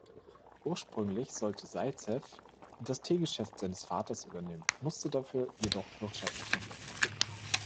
Ursprünglich sollte Saizew das Tee-Geschäft seines Vaters übernehmen, musste dafür jedoch Wirtschaft studieren.